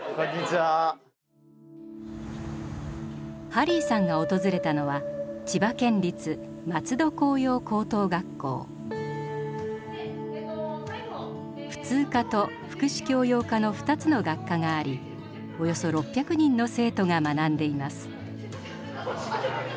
ハリーさんが訪れたのは普通科と福祉教養科の２つの学科がありおよそ６００人の生徒が学んでいます。